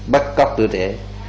bắt cóc đứa trẻ